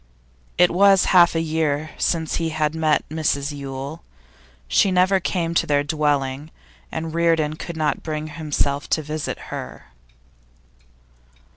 It was half a year since he had met Mrs Yule. She never came to their dwelling, and Reardon could not bring himself to visit her.